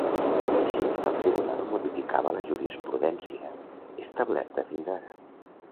Així, l’alt tribunal modificava la jurisprudència establerta fins ara.